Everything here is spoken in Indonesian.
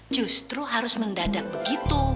justru harus mendadak begitu